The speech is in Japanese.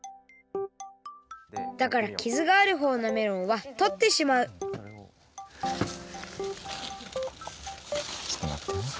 だからきずがあるほうのメロンはとってしまうちょっとまってね。